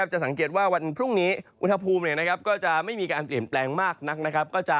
จะสังเกตว่าวันพรุ่งนี้อุณหภูมิก็จะไม่มีการเปลี่ยนแปลงมากนักนะครับ